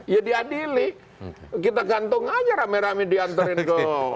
ya diadili kita gantung aja rame rame diantarin ke